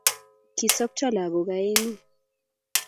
Kisopcho lagook aengu